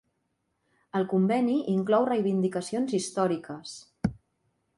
El conveni inclou reivindicacions històriques